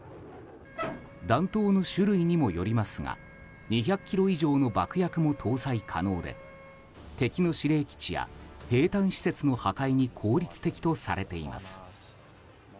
弾頭の種類にもよりますが２００ｋｇ以上の爆薬も搭載可能で敵の指令基地や兵たん施設の破壊に効率的とされています。